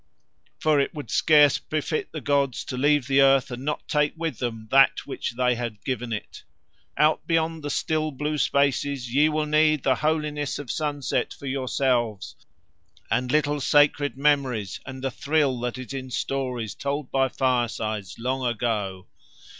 For it would scarce befit the gods to leave the earth and not take with Them that which They had given it. Out beyond the still blue spaces Ye will need the holiness of sunset for Yourselves and little sacred memories and the thrill that is in stories told by firesides long ago.